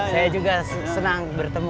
saya juga senang bertemu